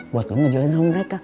buat lo ngejalanin sama mereka